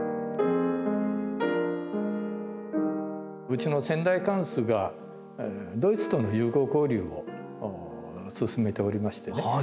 うちの先代貫主がドイツとの友好交流を進めておりましてね